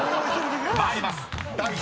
［参ります］